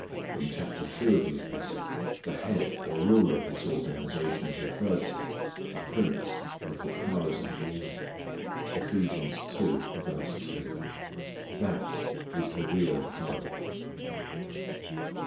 In chapter two of the epistle the head or ruler of this organization is referred to, "the prince of the powers of the air." That is the real foe.